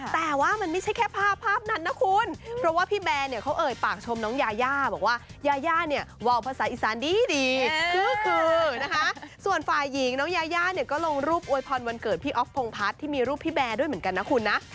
แต่ว่ามันไม่ใช่แค่ภาพภาพนั้นนะคุณ